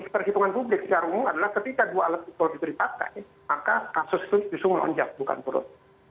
perhitungan publik secara umum adalah ketika dua alat bukti itu dipakai maka kasus itu justru melonjak bukan turun